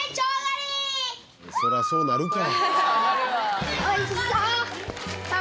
そりゃそうなるか。